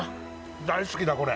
大好きだこれ。